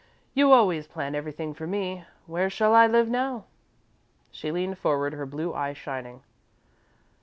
You always plan everything for me where shall I live now?" She leaned forward, her blue eyes shining.